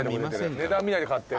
「値段見ないで買ってる」